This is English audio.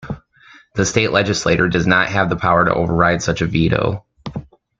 The state legislature does not have the power to override such a veto.